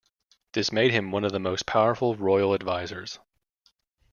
This made him one of the most powerful royal advisers.